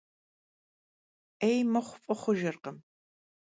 'êy mıxhu f'ı xhujjırkhım.